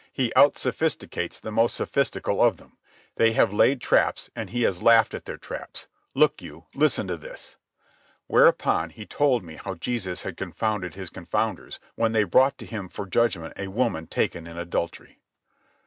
He out sophisticates the most sophistical of them. They have laid traps, and He has laughed at their traps. Look you. Listen to this." Whereupon he told me how Jesus had confounded his confounders when they brought to him for judgment a woman taken in adultery.